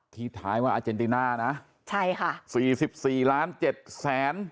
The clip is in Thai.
ที่ท้ายว่าอาเจนติน่านะใช่ค่ะสี่สิบสี่ล้านเจ็ดแสน